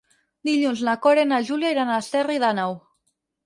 Dilluns na Cora i na Júlia iran a Esterri d'Àneu.